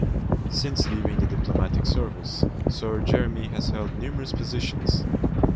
Since leaving the diplomatic service, Sir Jeremy has held numerous positions.